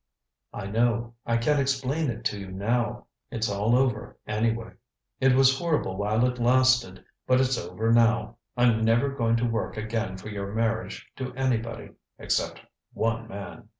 "I know. I can't explain it to you now. It's all over, anyway. It was horrible while it lasted but it's over now. I'm never going to work again for your marriage to anybody except one man.